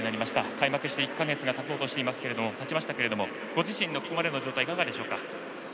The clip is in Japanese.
開幕して１か月がたちましたけどもご自身のここまでの状態いかがでしょうか？